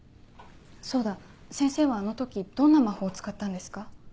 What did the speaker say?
そうだ先生はあの時どんな魔法を使ったんですか？